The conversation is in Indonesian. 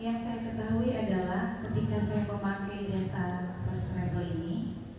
yang saya ketahui adalah ketika saya memakai jasa first travel ini